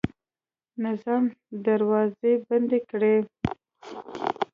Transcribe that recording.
نظام دروازې بندې کړې.